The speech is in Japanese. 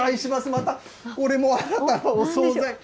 また、これも新たなお総菜。